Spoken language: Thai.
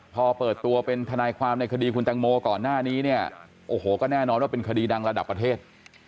พอเปิดตัวเป็นทนายความในคดีคุณตังโมก่อนหน้านี้เนี่ยโอ้โหก็แน่นอนว่าเป็นคดีดังระดับประเทศ